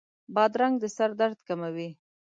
بادرنګ د سر درد کموي.